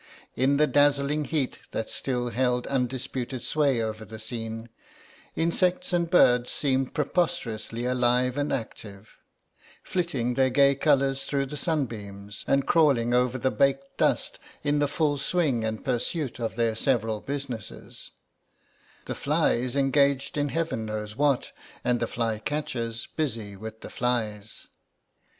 In the dazzling heat that still held undisputed sway over the scene, insects and birds seemed preposterously alive and active, flitting their gay colours through the sunbeams, and crawling over the baked dust in the full swing and pursuit of their several businesses; the flies engaged in Heaven knows what, and the fly catchers busy with the flies.